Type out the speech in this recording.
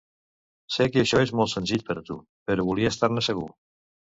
Sé que això és molt senzill per a tu, però volia estar-ne segur.